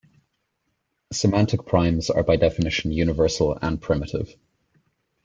Semantic primes are by definition universal and primitive.